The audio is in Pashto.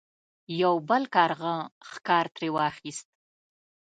یو بل کارغه ښکار ترې واخیست.